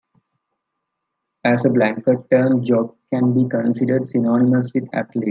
As a blanket term, "jock" can be considered synonymous with "athlete".